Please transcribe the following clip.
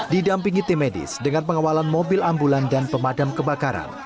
didampingi tim medis dengan pengawalan mobil ambulan dan pemadam kebakaran